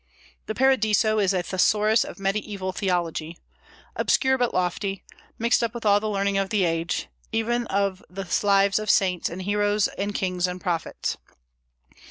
The Paradiso is a thesaurus of Mediaeval theology, obscure, but lofty, mixed up with all the learning of the age, even of the lives of saints and heroes and kings and prophets.